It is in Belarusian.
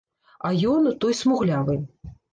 А ён, той смуглявы.